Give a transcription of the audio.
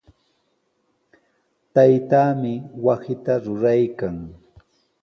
Taytaami wasita ruraykan.